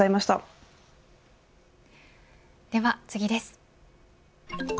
では次です。